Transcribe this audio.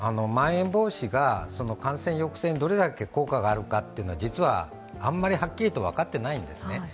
まん延防止が感染抑制にどれだけ効果があるというのは実はあんまり、はっきりと分かっていないんですね。